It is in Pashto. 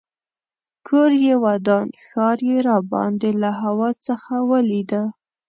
کور یې ودان ښار یې راباندې له هوا څخه ولیده.